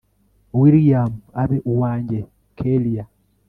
william abe uwanjye kellia